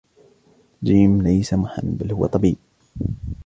جيم ليس محام بل هو طبيب.